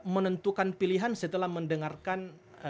menentukan pilihan setelah mendengarkan